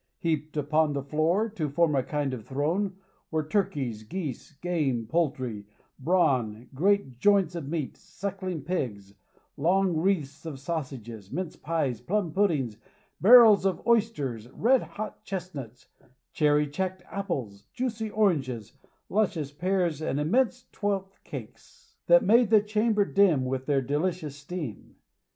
Heaped up on the floor, to form a kind of throne, were turkeys, geese, game, poultry, brawn, great joints of meat, sucking pigs, long wreaths of sausages, mince pies, plum puddings, barrels of oysters, red hot chestnuts, cherry cheeked apples, juicy oranges, luscious pears and immense twelfth cakes, that made the chamber dim with their delicious steam.